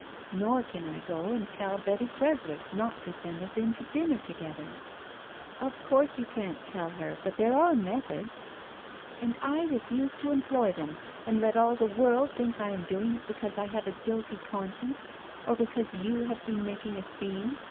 Nor can I go and tell Betty Creswick not to send us in to dinner together " "Of course you can't tell her, but there are methods " "And I refuse to employ them, and let all the world think I am doing it because I have a guilty conscience or because you have been making a scene.